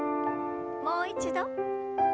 もう一度。